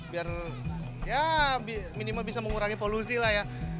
biar ya minimal bisa mengurangi polusi lah ya